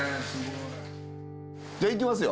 じゃあいきますよ。